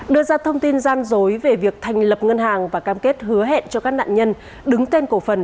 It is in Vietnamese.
đưa ra thông tin gian dối về việc thành lập ngân hàng và cam kết hứa hẹn cho các nạn nhân đứng tên cổ phần